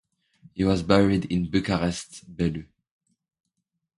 He was buried in Bucharest's Bellu.